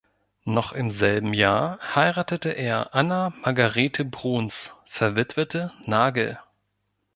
Noch im selben Jahr heiratete er Anna Margarete Bruns, verwitwete Nagel.